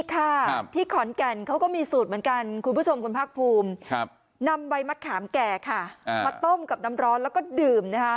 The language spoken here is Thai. ค่ะที่ขอนแก่นเขาก็มีสูตรเหมือนกันคุณผู้ชมคุณภาคภูมินำใบมะขามแก่ค่ะมาต้มกับน้ำร้อนแล้วก็ดื่มนะคะ